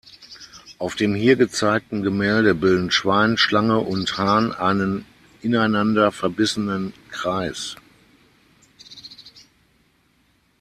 Auf dem hier gezeigten Gemälde bilden Schwein, Schlange und Hahn einen ineinander verbissenen Kreis.